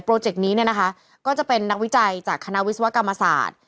เจกต์นี้เนี่ยนะคะก็จะเป็นนักวิจัยจากคณะวิศวกรรมศาสตร์